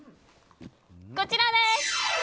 こちらです！